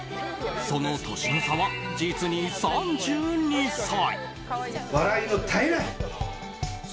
その年の差は実に３２歳！